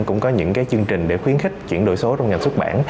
cũng có những chương trình để khuyến khích chuyển đổi số trong nhà xuất bản